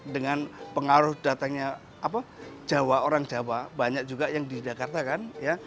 dengan pengaruh datangnya orang jawa banyak juga yang di jakarta kan